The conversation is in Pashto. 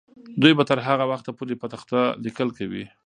دوی به تر هغه وخته پورې په تخته لیکل کوي.